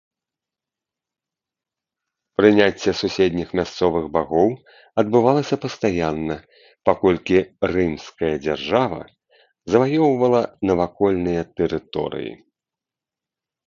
Прыняцце суседніх мясцовых багоў адбывалася пастаянна, паколькі рымская дзяржава заваёўвала навакольныя тэрыторыі.